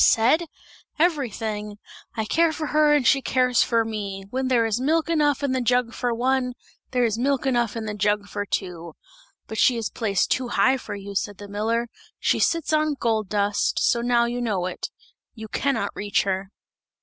"Said? Everything. 'I care for her and she cares for me! When there is milk enough in the jug for one, there is milk enough in the jug for two!' 'But she is placed too high for you,' said the miller, 'she sits on gold dust, so now you know it; you can not reach her!'